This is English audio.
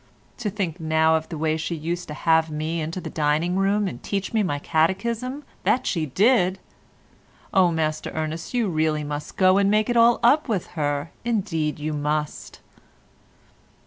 To think now of the way she used to have me into the dining room and teach me my catechism, that she did! Oh, Master Ernest, you really must go and make it all up with her; indeed you must."